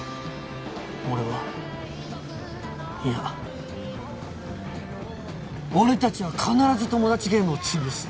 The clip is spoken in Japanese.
俺はいや俺たちは必ずトモダチゲームを潰す！